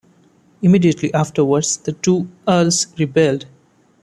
Immediately afterwards, the two earls rebelled.